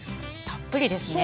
たっぷりですね。